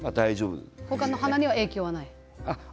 他の花に影響はない？